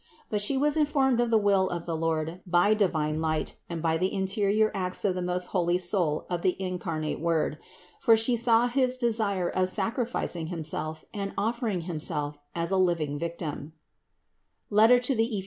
But She was informed of the will of the Lord by divine light and by the interior acts of the most holy soul of the incarnate Word; for She saw his desire of sacrificing Himself and offering Himself as a living Vic tim (Eph.